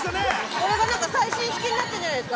◆これがなんか最新式になってんじゃないですか？